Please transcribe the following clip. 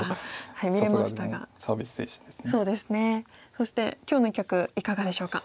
そして今日の一局いかがでしょうか？